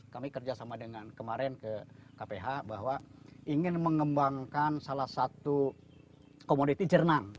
kami kerjasama dengan kemarin ke kph bahwa ingin mengembangkan salah satu komoditi jernang